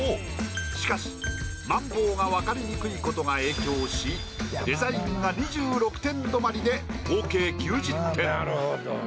しかしマンボウが分かりにくいことが影響しデザインが２６点止まりで合計９０点。